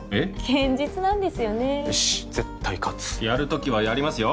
堅実なんですよねよし絶対勝つやる時はやりますよ